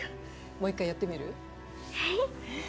もう一回やってみる？